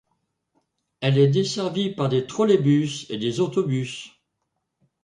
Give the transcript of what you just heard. Elle est desservie par des trolleybus et des autobus.